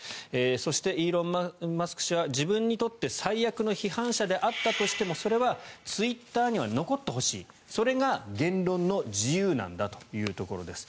そして、イーロン・マスク氏は自分にとって最悪の批判者であったとしてもそれはツイッターには残ってほしいそれが言論の自由なんだというところです。